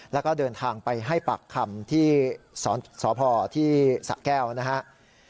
แล้วก็เดินทางไปให้ปากคำที่สพที่สะแก้วนะครับ